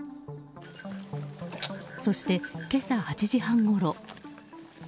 そして、今朝８時半ごろ。